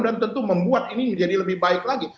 dan tentu membuat ini jadi lebih baik lagi